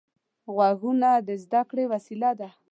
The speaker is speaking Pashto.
غوږونه د زده کړې وسیله ده